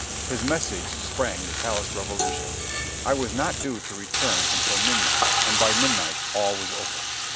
His message sprang the palace revolution. I was not due to return until midnight, and by midnight all was over.